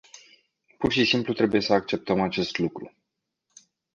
Pur și simplu trebuie să acceptăm acest lucru.